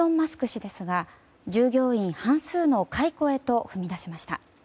氏ですが従業員半数の解雇へと踏み出しました。